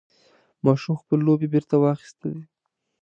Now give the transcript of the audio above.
ماشوم خپل لوبعې بېرته واخیستلې.